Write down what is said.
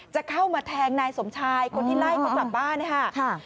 จะเข้ามาแทงนายสมชายคนที่ไล่เขากลับบ้านนะคะ